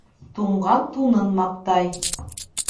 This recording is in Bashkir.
Туңған тунын маҡтай